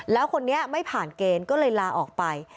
แล้วคนนี้ไม่ผ่านเกณฑ์ก็เลยลาออกไป